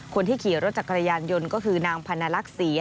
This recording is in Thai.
คนที่ขี่รถจักรยานยนต์ก็คือนางพันลักษณ์ศรี